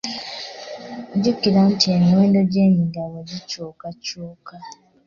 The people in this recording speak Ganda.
Jjukira nti emiwendo gy'emigabo gikyukakyuka.